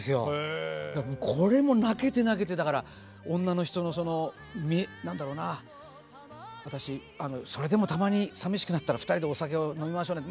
これも泣けて泣けてだから女の人のその私それでもたまに淋しくなったら二人でお酒を飲みましょうねって。